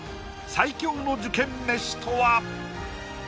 最強の受験メシとは？